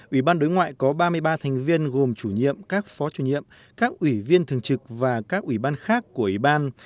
ủy ban đối ngoại có ba mươi ba thành viên gồm chủ nhiệm các phó chủ nhiệm các ủy viên thường trực và các ủy ban khác của ủy ban